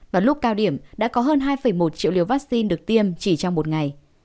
và lúc cao điểm đã có hơn hai một triệu liều vaccine được tiêm chỉ trong một ngày